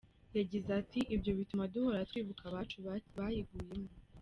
Yagize ati “ Ibyo bituma duhora twibuka abacu bayiguyemo.